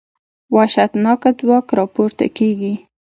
وحشتناکه ځواک راپورته کېږي.